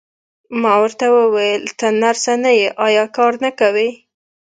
ما ورته وویل: ته نرسه نه یې، ایا کار نه کوې؟